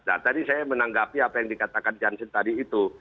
nah tadi saya menanggapi apa yang dikatakan jansen tadi itu